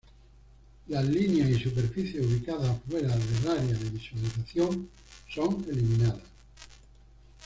Las líneas y superficies ubicadas fuera del área de visualización son eliminadas.